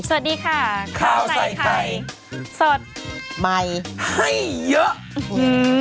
สวัสดีค่ะข้าวใส่ไข่สดใหม่ให้เยอะอืม